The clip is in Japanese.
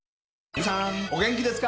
皆さんお元気ですか？